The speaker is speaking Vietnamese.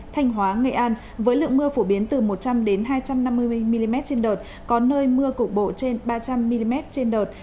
thanh hóa nghệ an với lượng mưa phổ biến từ một trăm linh hai trăm năm mươi mm trên đợt có nơi mưa cục bộ trên ba trăm linh mm trên đợt